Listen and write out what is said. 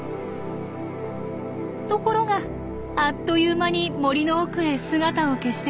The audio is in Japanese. ところがあっという間に森の奥へ姿を消してしまいました。